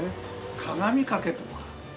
鏡掛けとか。